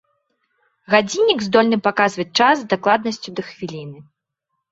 Гадзіннік здольны паказваць час з дакладнасцю да хвіліны.